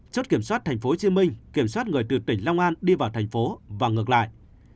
chốt kiểm soát tp hcm kiểm soát người từ tỉnh long an đi vào thành phố và ngược lại